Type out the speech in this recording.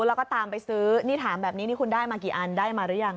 แล้วก็ตามไปซื้อนี่ถามแบบนี้นี่คุณได้มากี่อันได้มาหรือยัง